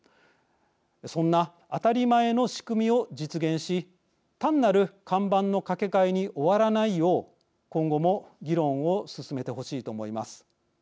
そんな当たり前の仕組みを実現し単なる看板のかけ替えに終わらないよう今後も議論を進めてほしいと思います。